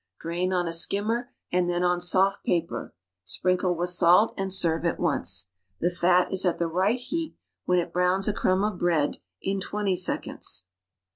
Drain on a skimmer and then on soft paper, sprinkle with salt and serve at once. The fat is at the right heat when it browns a crumb of bread in 20 seconds.